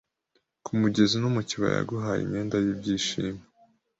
Ku mugezi no mu kibayaYaguhaye imyenda yibyishimo